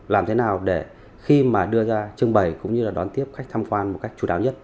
làm thế nào để khi đưa ra trưng bày cũng như đón tiếp khách tham quan một cách chủ đáo nhất